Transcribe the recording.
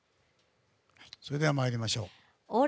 それでは、参りましょう。